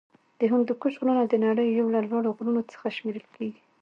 د هندوکش غرونه د نړۍ یو له لوړو غرونو څخه شمېرل کیږی.